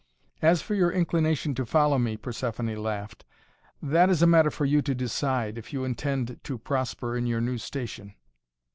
"As for your inclination to follow me," Persephoné laughed "that is a matter for you to decide, if you intend to prosper in your new station."